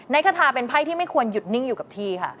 คาทาเป็นไพ่ที่ไม่ควรหยุดนิ่งอยู่กับที่ค่ะ